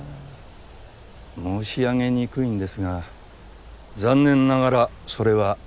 あ申し上げにくいんですが残念ながらそれはできません。